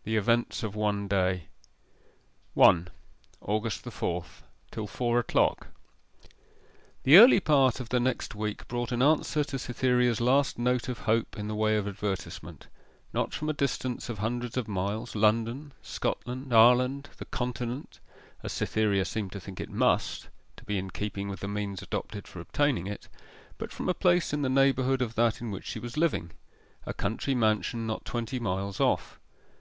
IV. THE EVENTS OF ONE DAY 1. AUGUST THE FOURTH. TILL FOUR O'CLOCK The early part of the next week brought an answer to Cytherea's last note of hope in the way of advertisement not from a distance of hundreds of miles, London, Scotland, Ireland, the Continent as Cytherea seemed to think it must, to be in keeping with the means adopted for obtaining it, but from a place in the neighbourhood of that in which she was living a country mansion not twenty miles off.